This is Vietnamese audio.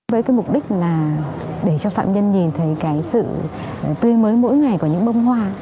với mục đích để cho phạm nhân nhìn thấy sự tươi mới mỗi ngày của những bông hoa